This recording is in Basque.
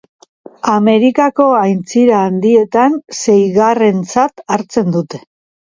Amerikako Aintzira Handietan seigarrentzat hartzen dute.